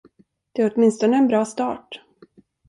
Det är åtminstone en bra start.